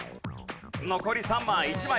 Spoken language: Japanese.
残り３枚。